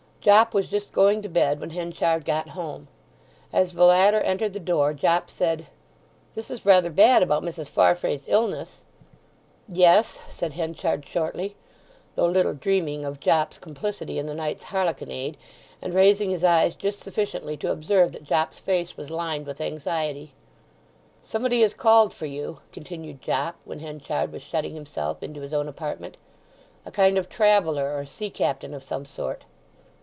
Jopp was just going to bed when Henchard got home. As the latter entered the door Jopp said, "This is rather bad about Mrs. Farfrae's illness." "Yes," said Henchard shortly, though little dreaming of Jopp's complicity in the night's harlequinade, and raising his eyes just sufficiently to observe that Jopp's face was lined with anxiety. "Somebody has called for you," continued Jopp, when Henchard was shutting himself into his own apartment. "A kind of traveller, or sea captain of some sort."